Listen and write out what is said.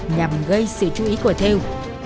nhằm gây sự chú ý của thêu